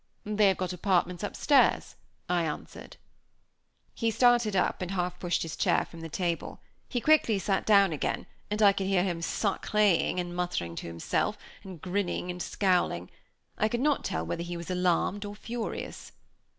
"They have got apartments upstairs," I answered. He started up, and half pushed his chair from the table. He quickly sat down again, and I could hear him sacré ing and muttering to himself, and grinning and scowling. I could not tell whether he was alarmed or furious.